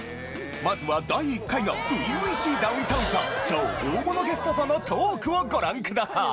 まずは第１回の初々しいダウンタウンと超大物ゲストとのトークをご覧ください